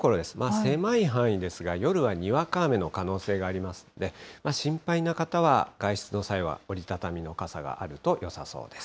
狭い範囲ですが、夜はにわか雨の可能性がありますので、心配な方は、外出の際は折り畳みの傘があるとよさそうです。